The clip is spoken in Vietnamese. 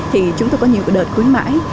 thì chúng tôi có nhiều cái đợt khuyến mãi